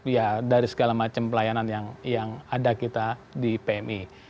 ya dari segala macam pelayanan yang ada kita di pmi